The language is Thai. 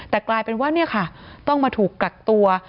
แต่กลายเป็นว่าต้องมาถูกกลักตัว